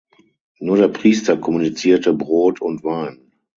Nur der Priester kommunizierte Brot und Wein.